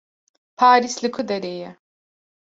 Parîs li ku derê ye?